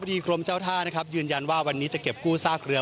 ดีกรมเจ้าท่านะครับยืนยันว่าวันนี้จะเก็บกู้ซากเรือ